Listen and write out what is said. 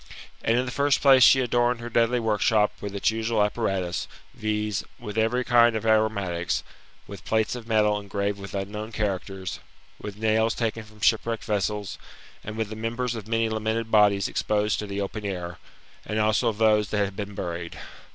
And in the first place she adorned her deadly workshop with its usual apparatus, viz.: with every kind of aromatics, with plates of metal engraved with unknown characters, with "^'^^ ^^^If" f^ni ..^I^IB^^^^'^^X!:^^^!!^'^^ ^^^^^^^ members of many lamented I HodTes exposed to the open air, and also of those that had been buried.